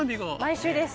毎週です。